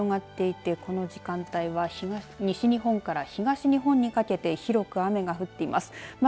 西から雨の範囲が広がっていてこの時間帯は西日本から東日本にかけて広く雨が降っています。